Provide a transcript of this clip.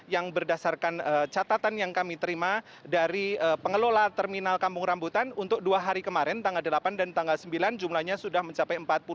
yang berdasarkan catatan yang kami terima dari pengelola terminal kampung rambutan untuk dua hari kemarin tanggal delapan dan tanggal sembilan jumlahnya sudah mencapai empat puluh delapan